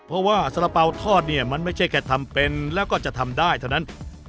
เพราะว่าสาระเป๋าทอดเนี่ยมันไม่ใช่แค่ทำเป็นแล้วก็จะทำได้เท่านั้น